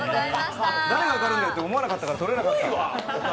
誰が分かるんだよって分からなかったから取れなかった。